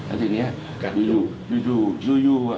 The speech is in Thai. อาทิตย์นี้อ่ะอยู่